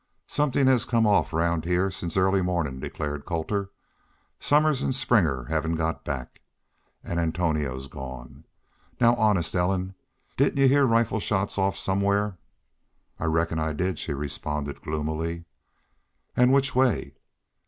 "Somethin' has come off round heah since early mawnin'," declared Colter. "Somers an' Springer haven't got back. An' Antonio's gone.... Now, honest, Ellen, didn't y'u heah rifle shots off somewhere?" "I reckon I did," she responded, gloomily. "An' which way?"